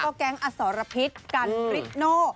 แล้วก็แก๊งอสรพิษกันฤทโน่